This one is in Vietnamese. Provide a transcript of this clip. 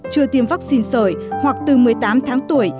chưa tiêm vaccine sởi hoặc từ một mươi tám tháng tuổi